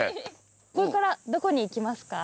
これからどこに行きますか？